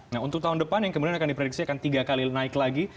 nah untuk tahun depan yang kemudian akan diprediksi akan tiga kali naik lagi